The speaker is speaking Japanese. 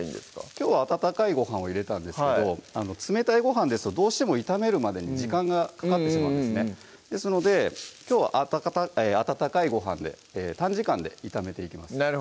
きょうは温かいご飯を入れたんですけど冷たいご飯ですとどうしても炒めるまでに時間がかかってしまうんですねなのできょうは温かいご飯で短時間で炒めていきます